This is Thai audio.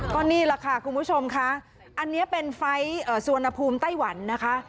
ก็นี่แหละค่ะคุณผู้ชมค่ะอันนี้เป็นไฟล์สุวรรณภูมิไต้หวันนะคะ